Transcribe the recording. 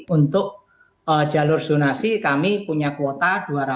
untuk jalur zonasi kami punya kuota dua ratus tiga belas